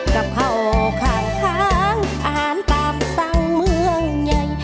กะเพราขายค้างอาหารตามสั่งเมืองใหญ่